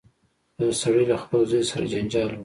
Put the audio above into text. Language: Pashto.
یو سړي له خپل زوی سره جنجال وکړ.